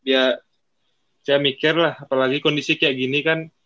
ya saya mikir lah apalagi kondisi kayak gini kan